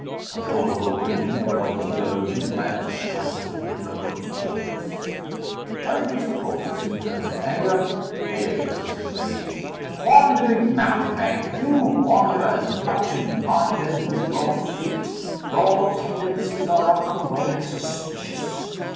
"A plausible opinion," growled the theologian, glad to strike his little blow at Æacus. Arrogance repulsed soon turns to anger. Æacus was enraged. "Wandering mountebank! you wander as much in mind as with your feet. Your tendencies are out of the way and suspicious.